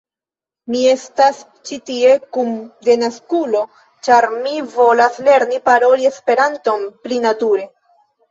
Mi estas ĉi tie kun denaskulo ĉar mi volas lerni paroli Esperanton pli nature